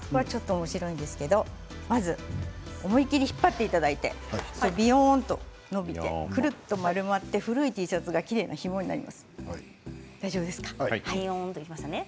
おもしろいんですけれども思い切り引っ張っていただいてびよんと伸びてくるっと丸まって古いＴシャツがきれいなひもになります。